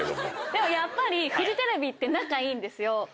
でもやっぱりフジテレビって仲いいんですよ。